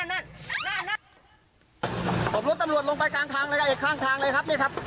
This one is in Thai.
นี่ครับรถตำรวจกำลังจมไปครับนี่ครับ